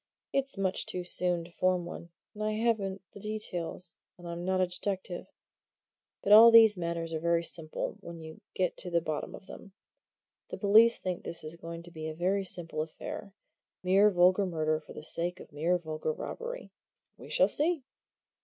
"It's much too soon to form one, and I haven't the details, and I'm not a detective. But all these matters are very simple when you get to the bottom of them. The police think this is going to be a very simple affair mere vulgar murder for the sake of mere vulgar robbery. We shall see!"